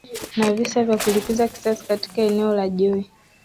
na visa vya kulipiza kisasi katika eneo la joe